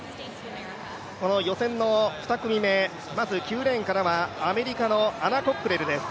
予選の２組目、まず９レーンからはアメリカのアナ・コックレルです。